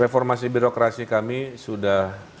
reformasi birokrasi kami sudah